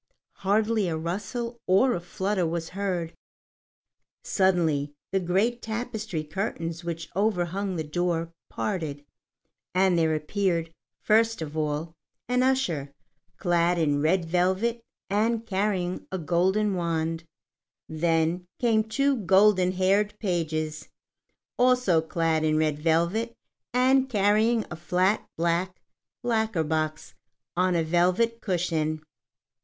Hardly a rustle or a flutter was heard. Suddenly the great tapestry curtains which overhung the door parted, and there appeared, first of all, an usher, clad in red velvet and carrying a golden wand; then came two golden haired pages, also clad in red velvet and carrying a flat black lacquer box on a velvet cushion.